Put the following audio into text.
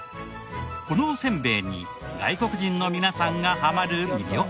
このおせんべいに外国人の皆さんがハマる魅力は。